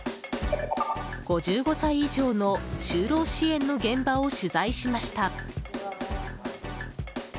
５５歳以上の就労支援の現場を取材しました。